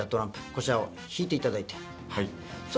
こちらを引いていただいてそ